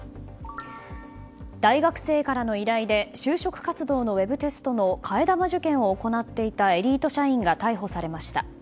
大学生からの依頼で就職活動のウェブテストの替え玉受験を行っていたエリート社員が逮捕されました。